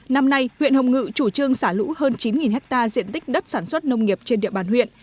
năm nay huyện hồng ngự chủ trương xả lũ hơn chín ha diện tích đất sản xuất nông nghiệp trên địa bàn huyện